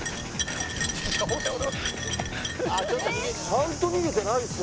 「ちゃんと逃げてないですよね」